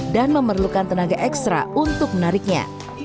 dan memerlukan tenaga ekstra untuk menariknya